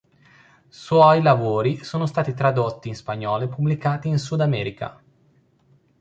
Suoi lavori sono stati tradotti in spagnolo e pubblicati in Sud America.